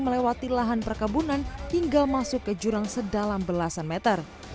melewati lahan perkebunan hingga masuk ke jurang sedalam belasan meter